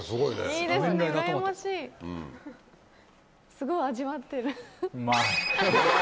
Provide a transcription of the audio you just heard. すごい味わってる。